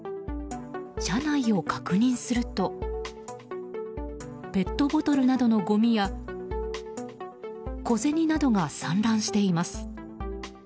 車内を確認するとペットボトルなどのごみや小銭などが散乱しています。